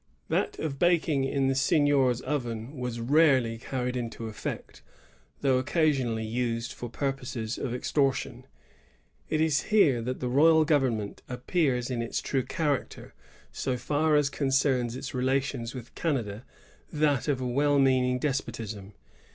That of baking in the seignior's oven was rarely carried into effect, though occasionally used for purposes of extortion. It is here that the royal government appears in its true character, so far as concerns its relations with Canada, — tliat of a well meaning despotism.